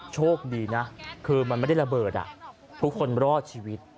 โชคดีนะคือมันไม่ได้ระเบิดทุกคนรอดชีวิต